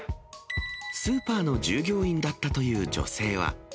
スーパーの従業員だったという女性は。